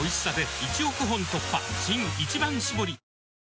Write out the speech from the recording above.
新「一番搾り」男性）